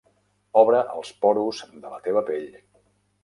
Obre els porus de la teva pell.